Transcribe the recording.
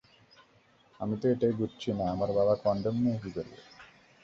আমি তো এটাই বুঝছি না, আমার বাবা কনডম নিয়ে কী করবে?